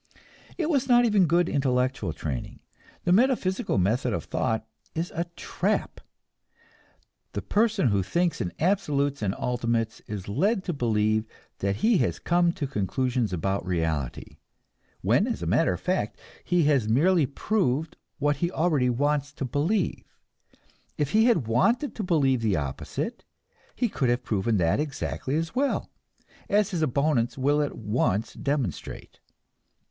It was not even good intellectual training; the metaphysical method of thought is a trap. The person who thinks in absolutes and ultimates is led to believe that he has come to conclusions about reality, when as a matter of fact he has merely proved what he wants to believe; if he had wanted to believe the opposite, he could have proven that exactly as well as his opponents will at once demonstrate.